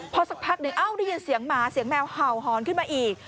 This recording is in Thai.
พอสักพักหนึ่งเอ้าได้ยินเสียงหมาเสียงแมวเห่าหอนขึ้นมาอีก